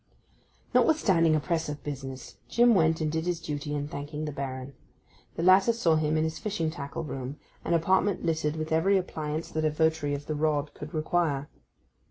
Notwithstanding a press of business, Jim went and did his duty in thanking the Baron. The latter saw him in his fishing tackle room, an apartment littered with every appliance that a votary of the rod could require.